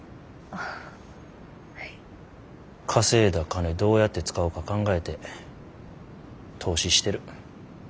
稼いだ金どうやって使おか考えて投資してる。